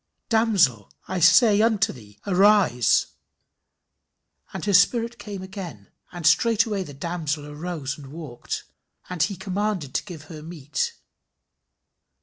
"Damsel, I say unto thee, arise." "And her spirit came again," "and straightway the damsel arose and walked," "and he commanded to give her meat."